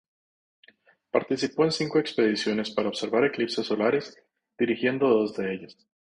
Participó en cinco expediciones para observar eclipses solares, dirigiendo dos de ellas.